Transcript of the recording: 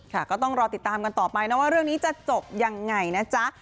ก็ต้องรอติดตามกันต่อไปนะว่าเรื่องนี้จะจบยังไงนะจ๊ะ